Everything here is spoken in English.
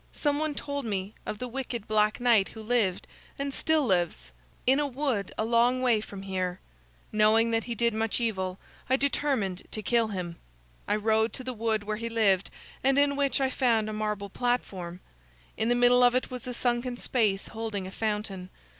Some one told me of the wicked Black Knight who lived, and still lives, in a wood a long way from here. Knowing that he did much evil, I determined to kill him. I rode to the wood where he lived, and in which I found a marble platform. In the middle of it was a sunken space holding a fountain.